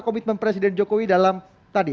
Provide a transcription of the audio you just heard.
komitmen presiden jokowi dalam tadi